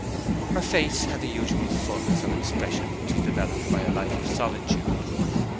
Her face had the usual fulness of expression which is developed by a life of solitude.